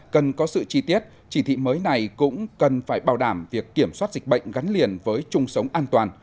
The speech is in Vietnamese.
cần có sự chi tiết chỉ thị mới này cũng cần phải bảo đảm việc kiểm soát dịch bệnh gắn liền với chung sống an toàn